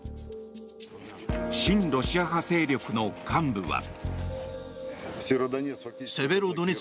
親ロシア派勢力の幹部は。